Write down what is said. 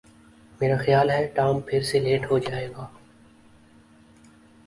میرا خیال ہے ٹام پھر سے لیٹ ہو جائے گا